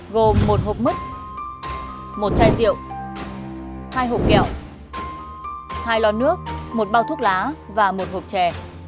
gồm một hộp mứt một chai rượu hai hộp kẹo hai lò nước một bao thuốc lá và một hộp chè